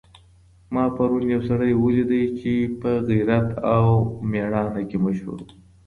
ما پرون یو سړی ولیدی چي په غیرت او مېړانه کي مشهور و.